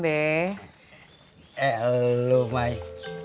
eh lu maik